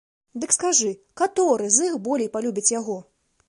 Дык скажы, каторы з іх болей палюбіць яго?